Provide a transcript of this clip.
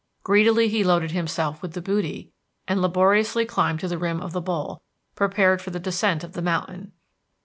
Greedily he loaded himself with the booty and laboriously climbed to the rim of the bowl prepared for the descent of the mountain.